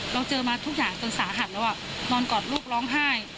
เราเจอมาทุกอย่างจนสาหัสแล้วนอนกอดลูกร้องไห้